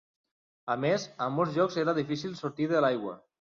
A més, a molts llocs era difícil sortir de l'aigua.